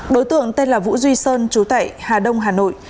đối tượng tên là vũ duy sơn trú tại hà đông hà nội